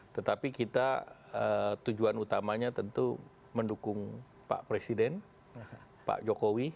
tetapi kita tujuan utamanya tentu mendukung pak presiden pak jokowi